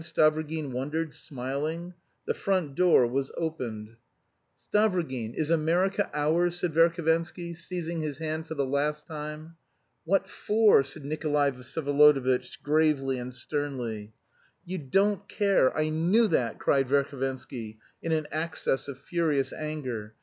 Stavrogin wondered smiling. The front door was opened. "Stavrogin is America ours?" said Verhovensky, seizing his hand for the last time. "What for?" said Nikolay Vsyevolodovitch, gravely and sternly. "You don't care, I knew that!" cried Verhovensky in an access of furious anger.